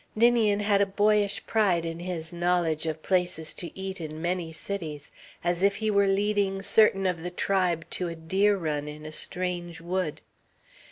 Ninian had a boyish pride in his knowledge of places to eat in many cities as if he were leading certain of the tribe to a deer run in a strange wood.